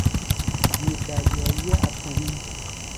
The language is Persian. زیر دریایی اتمی